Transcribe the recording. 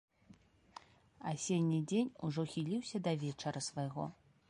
Асенні дзень ужо хіліўся да вечара свайго.